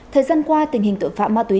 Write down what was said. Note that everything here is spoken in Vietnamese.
thời gian qua tình hình tội phạm ma túy